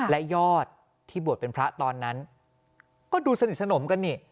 และยอดที่บวชเป็นพระตอนนั้นก็ดูสนิทสนมกันนี่